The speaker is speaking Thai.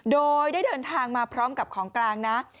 โดยได้เดินทางมาพร้อมกับของกลางนะ